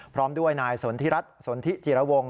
พร้อมด้วยนายสนทิรัฐสนทิจิรวงศ